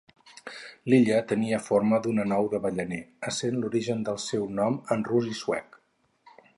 L'illa tenia forma d'una nou d'avellaner, essent l'origen del seu nom en rus i suec.